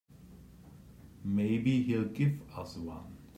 Maybe he'll give us one.